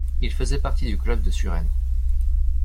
Il faisait partie du club de Suresnes.